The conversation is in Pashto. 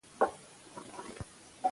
څلور څيزونه د روغ ژوند ضمانت دي -